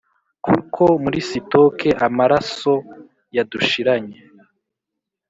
kuko muri sitoke amaraso yadushiranye.